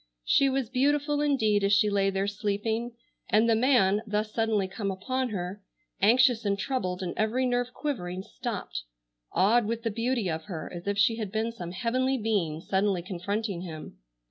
She was beautiful indeed as she lay there sleeping, and the man, thus suddenly come upon her, anxious and troubled and every nerve quivering, stopped, awed with the beauty of her as if she had been some heavenly being suddenly confronting him.